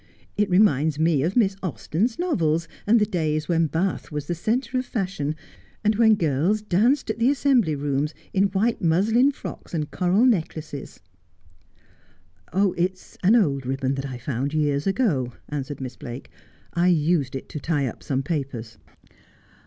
It reminds me of Miss Austen's novels, and the days when Bath was the centre of fashion, and when girls danced at the Assembly Rooms in white muslin frocks and coral necklaces.' ' It is an old ribbon that I found years ago,' answered Miss Blake. ' I used it to tie up some papers.'